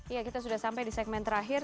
ya kita sudah sampai di segmen terakhir